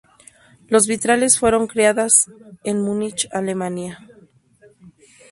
Los vitrales fueron creadas en Múnich, Alemania.